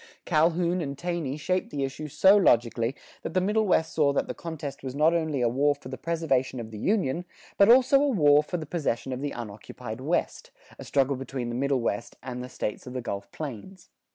Calhoun and Taney shaped the issue so logically that the Middle West saw that the contest was not only a war for the preservation of the Union, but also a war for the possession of the unoccupied West, a struggle between the Middle West and the States of the Gulf Plains.